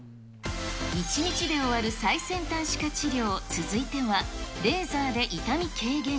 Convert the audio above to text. １日で終わる最先端歯科治療、続いては、レーザーで痛み軽減。